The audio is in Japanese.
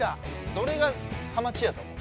どれがハマチやと思う？